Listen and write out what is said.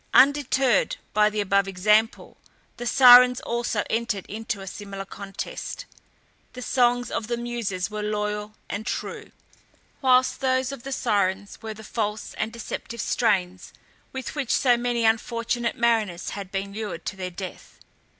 Undeterred by the above example, the Sirens also entered into a similar contest. The songs of the Muses were loyal and true, whilst those of the Sirens were the false and deceptive strains with which so many unfortunate mariners had been lured to their death.